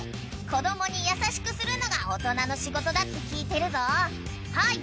「子供に優しくするのが大人の仕事だって聞いてるぞ」